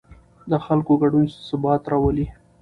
د خلکو ګډون ثبات راولي